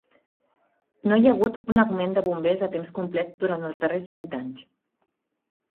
No hi ha hagut un augment de bombers a temps complet durant els darrers vint anys.